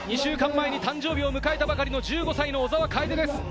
２週間前に誕生日を迎えたばかりの１５歳の小澤楓です。